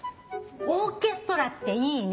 「オーケストラっていいね」